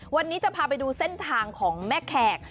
วันนี้จะพาไปดูเส้นทางของแม่แขก